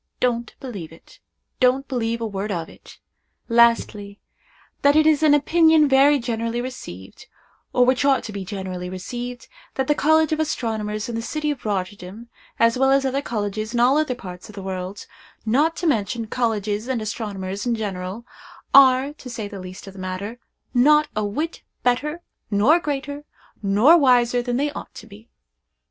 Don't believe it—don't believe a word of it. Lastly. That it is an opinion very generally received, or which ought to be generally received, that the College of Astronomers in the city of Rotterdam, as well as other colleges in all other parts of the world,—not to mention colleges and astronomers in general,—are, to say the least of the matter, not a whit better, nor greater, nor wiser than they ought to be.